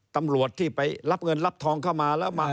ตำรวจที่ไปรับเงินรับทองเข้ามาแล้วมา